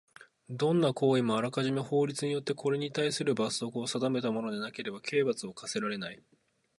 どんな行為もあらかじめ法律によってこれにたいする罰則を定めたものでなければ刑罰を科せられない。